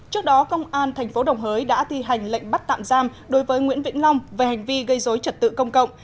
trước đó công an tp đồng hới đã thi hành lệnh bắt tạm giam đối với nguyễn vĩnh long về hành vi gây dối trật tự công cộng